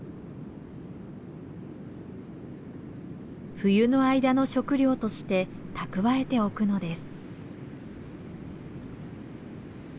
冬の間の食料として蓄えておくのです。